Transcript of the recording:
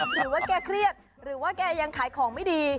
หรือว่าแกเครียดหรือว่าแกยังขายของไม่ดี